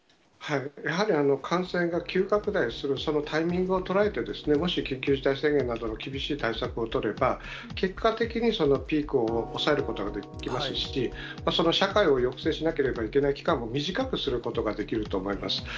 やはり感染が急拡大する、そのタイミングを捉えて、もし緊急事態宣言などの厳しい対策を取れば、結果的にそのピークを抑えることができますし、その社会を抑制しなければいけない期間も短くすることができると思います。